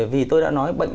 vì tôi đã nói